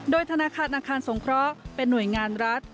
โดยธนาคารอาคารสงเคราะห์เป็นหน่วยงานรัฐ